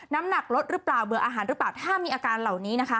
น้ำหนักลดหรือเปล่าเบื่ออาหารหรือเปล่าถ้ามีอาการเหล่านี้นะคะ